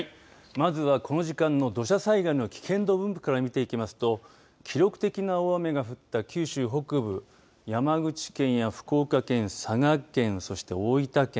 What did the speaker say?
まずはこの時間の土砂災害の危険度分布から見ていきますと記録的な大雨が降った九州北部山口県や福岡県佐賀県、そして大分県